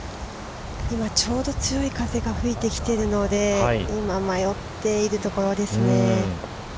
◆今ちょうど強い風が吹いてきているので今、迷っているところですね。